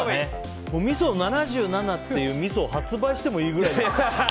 みそ７７っていうみそを発売してもいいぐらいだよね。